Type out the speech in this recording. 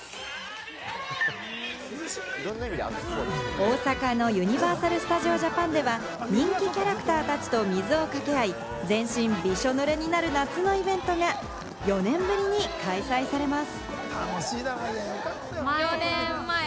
大阪のユニバーサル・スタジオ・ジャパンでは、人気キャラクターたちと水をかけ合う全身びしょぬれになる夏のイベントが４年ぶりに開催されます。